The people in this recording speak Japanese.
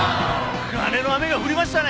金の雨が降りましたね。